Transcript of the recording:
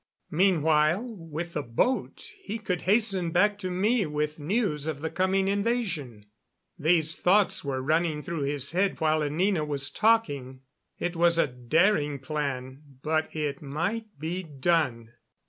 Meanwhile, with the boat he could hasten back to me with news of the coming invasion. These thoughts were running through his head while Anina was talking. It was a daring plan, but it might be done.